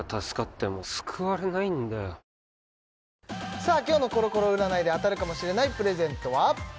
さあ今日のコロコロ占いで当たるかもしれないプレゼントは？